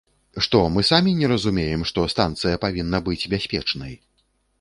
Што, мы самі не разумеем, што станцыя павінна быць бяспечнай?